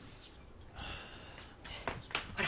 ほら。